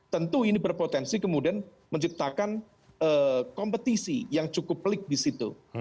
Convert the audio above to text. tentu ini berpotensi kemudian menciptakan kompetisi yang cukup pelik di situ